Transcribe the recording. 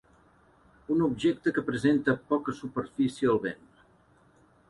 Un objecte que presenta poca superfície al vent.